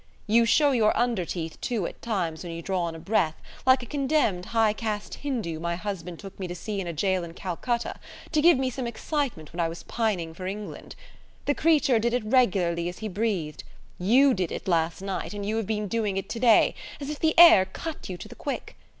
You show your under teeth too at times when you draw in a breath, like a condemned high caste Hindoo my husband took me to see in a jail in Calcutta, to give me some excitement when I was pining for England. The creature did it regularly as he breathed; you did it last night, and you have been doing it to day, as if the air cut you to the quick.